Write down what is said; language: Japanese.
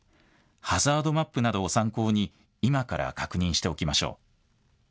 ハザードマップなどを参考に今から確認しておきましょう。